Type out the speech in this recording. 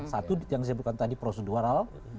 satu yang saya bukan tadi prosedural